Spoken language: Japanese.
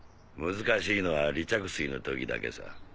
難しいのは離着水の時だけさ。